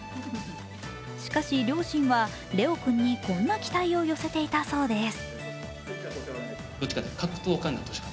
しかし、両親は怜央君にこんな期待を寄せていたそうです。